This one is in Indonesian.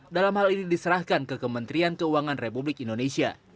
dalam hal ini diserahkan ke kementerian keuangan republik indonesia